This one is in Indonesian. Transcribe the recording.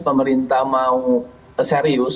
pemerintah mau serius